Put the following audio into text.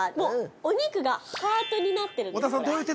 お肉がハートになってるという。